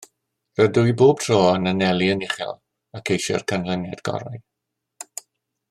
Rydw i bob tro yn anelu yn uchel ac eisiau'r canlyniad gorau